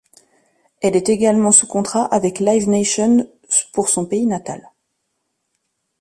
Elle est également sous contrat avec Live Nation pour son pays natal.